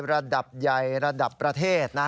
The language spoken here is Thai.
ระดับใหญ่ระดับประเทศนะ